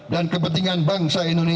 dan kepentingan bangsa indonesia